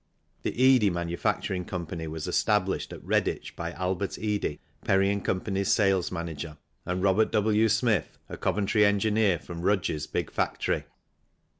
The Eadie Manufacturing Co. was established at Red ditch by Albert Eadie, Perry & Co.'s sales manager, and Robert W. Smith, a Coventry engineer from Rudge's big factory.